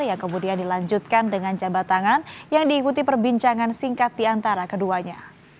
yang kemudian dilanjutkan dengan jabat tangan yang diikuti perbincangan singkat di antara keduanya